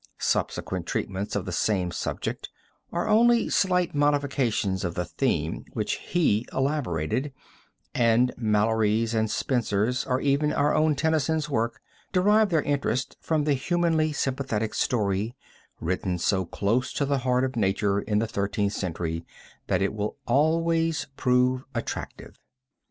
Subsequent treatments of the same subject are only slight modifications of the theme which he elaborated, and Mallory's and Spenser's and even our own Tennyson's work derive their interest from the humanly sympathetic story, written so close to the heart of nature in the Thirteenth Century that it will always prove attractive.